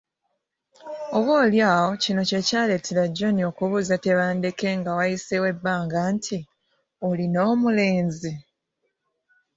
Oba oly’awo kino kye ky’aleetera John okubuuza Tebandeke nga wayiseewo ebbanga nti, “Olina omulenzi?''